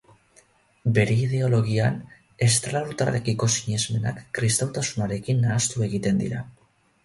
Bere ideologian estralurtarrekiko sinesmenak kristautasunarekin nahastu egiten dira.